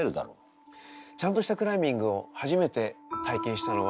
ちゃんとしたクライミングを初めて体験したのは１５歳の頃でした。